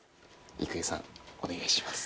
郁恵さんお願いします。